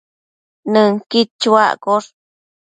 Nënquid chuaccosh